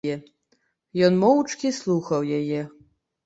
Ён моўчкі слухаў яе.